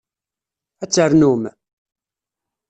Ad ternum?